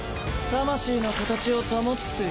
魂の形を保って。